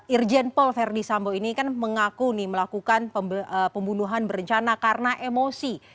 irjen paul verdi sambo ini kan mengaku melakukan pembunuhan berencana karena emosi